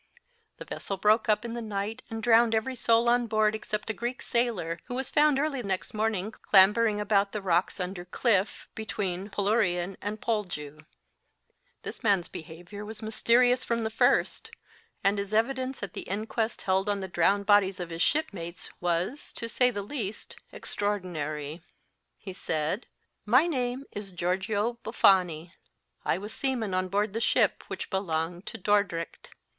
The vessel broke up in the night and drowned every soul on board except a Greek sailor, who was found early next morning clambering about the rocks under cliff, between Polurrian and Poljew. This man s behaviour was mysterious from the first, and his evidence at the inquest held on the drowned bodies of his shipmates was, to say the least, extra ordinary. He said : My name is Georgio Buffani. I was seaman on board the ship, which belonged to Dordrecht.